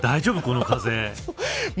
大丈夫、この風。